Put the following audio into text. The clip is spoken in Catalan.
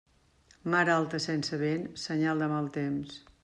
Mar alta sense vent, senyal de mal temps.